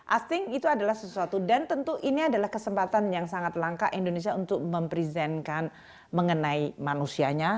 i think itu adalah sesuatu dan tentu ini adalah kesempatan yang sangat langka indonesia untuk mempresentkan mengenai manusianya